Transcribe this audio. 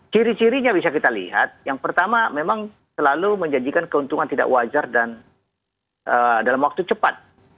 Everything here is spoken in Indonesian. ciri cirinya bisa kita lihat yang pertama memang selalu menjanjikan keuntungan tidak wajar dan dalam waktu cepat